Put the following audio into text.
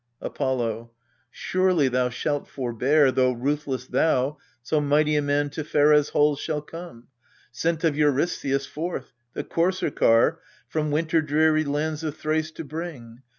Apollo. Surely thou shalt forbear, though ruthless thou, So mighty a man to Pheres' halls shall come, Sent of Eurystheus forth, the courser car From winter dreary lands of Thrace to bring.